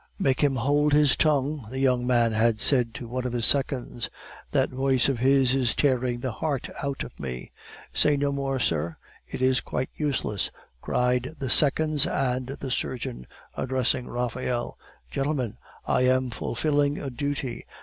"Make him hold his tongue," the young man had said to one of his seconds; "that voice of his is tearing the heart out of me." "Say no more, sir; it is quite useless," cried the seconds and the surgeon, addressing Raphael. "Gentlemen, I am fulfilling a duty.